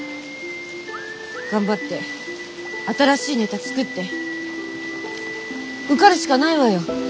頑張って新しいネタ作って受かるしかないわよ